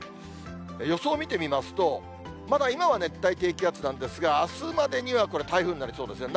予想を見てみますと、まだ今は熱帯低気圧なんですが、あすまでには、これ、台風になりそうですね。